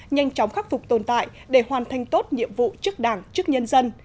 nhanh chóng khắc phục tồn tại để hoàn thành tốt nhiệm vụ trước đảng trước nhân dân